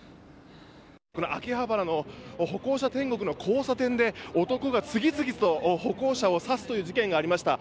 秋葉原の歩行者天国の交差点で男が次々と歩行者を刺すという事件がありました。